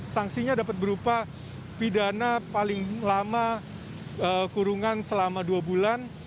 sanksinya dapat berupa pidana paling lama kurungan selama dua bulan